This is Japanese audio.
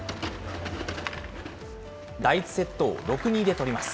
第１セットを６―２で取ります。